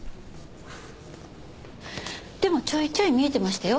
でもちょいちょい見えてましたよ。